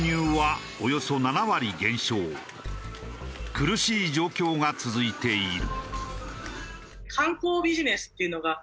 苦しい状況が続いている。